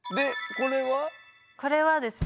これはですね